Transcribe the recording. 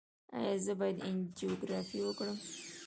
ایا زه باید انجیوګرافي وکړم؟